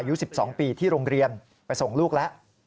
อายุ๑๒ปีที่โรงเรียนไปส่งลูกแล้ว